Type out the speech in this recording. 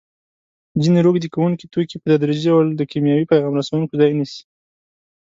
ځینې روږدې کوونکي توکي په تدریجي ډول د کیمیاوي پیغام رسوونکو ځای نیسي.